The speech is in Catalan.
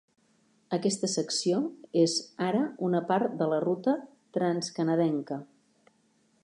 Aquesta secció és ara una part de la ruta Transcanadenca.